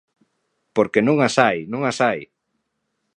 Porque non as hai, non as hai.